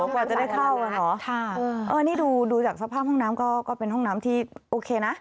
กว่าจะได้เข้าอ่ะเนอะนี่ดูจากสภาพห้องน้ำก็เป็นห้องน้ำที่โอเคนะ